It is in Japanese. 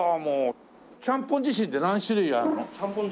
ちゃんぽん自身って何種類あるの？